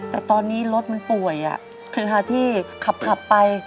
แต่ตอนนี้รถมันป่วยคือค่ะที่ขับไป